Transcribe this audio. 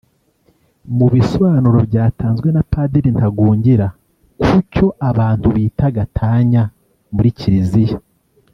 Mu bisobanuro byatanzwe na Padiri Ntagungira ku cyo abantu bita gatanya muri Kiliziya